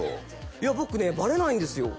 いや僕ねバレないんですよ